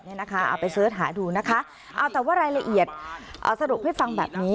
เอาไปเสิร์ชหาดูนะคะเอาแต่ว่ารายละเอียดเอาสรุปให้ฟังแบบนี้